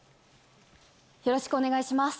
よろしくお願いします。